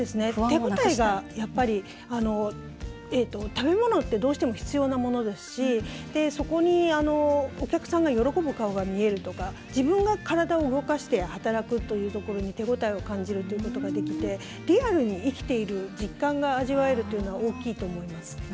手応えが、やっぱり食べ物って、どうしても必要なものですし、そこにお客さんが喜ぶ顔が見えるとか自分が体を動かして働くというところに手応えを感じるということができてリアルに生きている実感が味わえるというのは大きいと思います。